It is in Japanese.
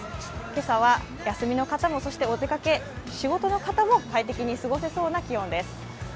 今朝は休みの方も、そしてお出かけ仕事の方も快適に過ごせそうな気温です。